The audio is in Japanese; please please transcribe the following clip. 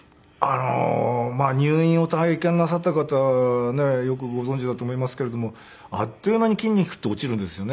入院を体験なさった方はねよくご存じだと思いますけれどもあっという間に筋肉って落ちるんですよね。